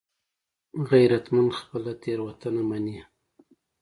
غیرتمند خپله تېروتنه مني